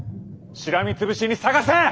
しらみつぶしに探せ！